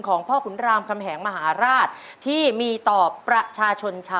ของพ่อขุนรามคำแหงมหาราช